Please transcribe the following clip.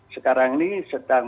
sekarang ini sedang